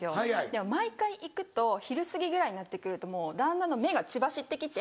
でも毎回行くと昼過ぎぐらいになってくるともう旦那の目が血走ってきて。